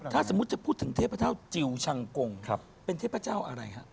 ถ้าสมมุติจะพูดถึงเทพเจ้าจิลชังกงเป็นเทพเจ้าอะไรฮะ